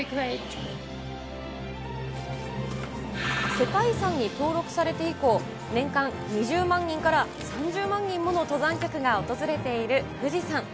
世界遺産に登録されて以降、年間２０万人から３０万人もの登山客が訪れている富士山。